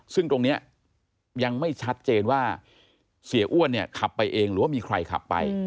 เสียอ้วนเนี่ยขับไปเองหรือว่ามีใครขับไป